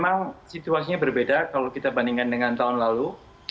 memang situasinya berbeda kalau kita bandingkan dengan tahun lalu